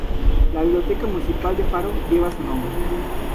La Biblioteca Municipal de Faro lleva su nombre.